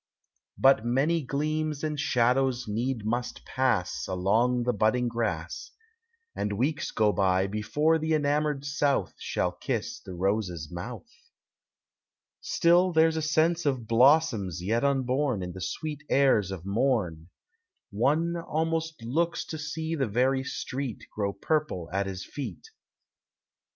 But many gleams and shadows need must pass Along the budding grass, And weeks go by, before the enamored South Shall kiss the rose's mouth. Still there 's a sense of blossoms yet unborn In the sweet airs of morn ; One almost looks to see the very street Grow purple at his feet.